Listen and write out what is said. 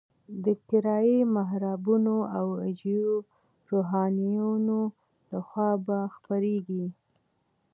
د کرایي محرابونو او اجیرو روحانیونو لخوا به خپرېږي.